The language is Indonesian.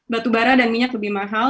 batu bara dan minyak lebih mahal